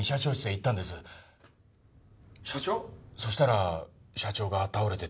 そしたら社長が倒れてて。